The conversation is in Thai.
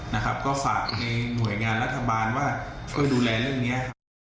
นะครับก็ฝากในหน่วยงานรัฐบาลว่าช่วยดูแลเรื่องนี้ครับ